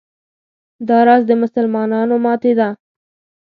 دا راز د مسلمانانو ماتې ده.